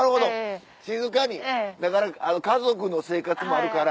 だから家族の生活もあるから。